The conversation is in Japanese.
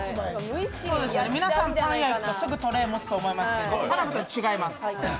皆さん、パン屋に行くとすぐトレー持つと思いますけど、田辺さん違います。